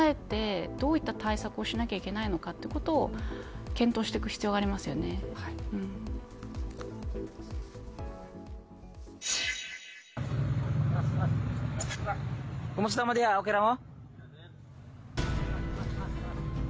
だから、そのへんをよく考えてどういった対策をしなければいけないのかということを検討していく必要がありますよね。